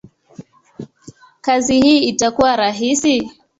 kazi hii itakuwa rahisi?